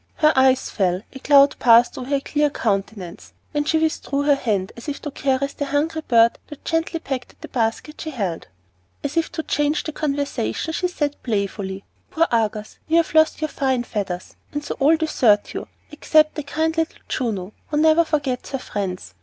Her eyes fell, a cloud passed over her clear countenance, and she withdrew her hand, as if to caress the hungry bird that gently pecked at the basket she held. As if to change the conversation, she said playfully, "Poor Argus, you have lost your fine feathers, and so all desert you, except kind little Juno, who never forgets her friends.